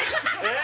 え！